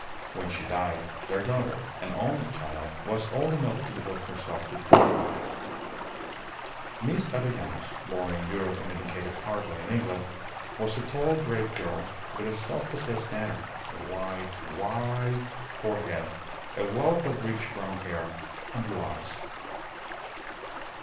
When she died, their daughter, an only child, was old enough to devote herself to "poor papa." Miss Avellanos, born in Europe and educated partly in England, was a tall, grave girl, with a self possessed manner, a wide, white forehead, a wealth of rich brown hair, and blue eyes.